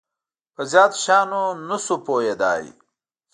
په زیاتو شیانو نه شو پوهیدای.